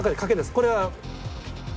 これは。